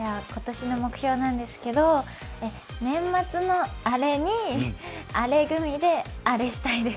今年の目標なんですけど、年末のアレにアレ組でアレしたいです。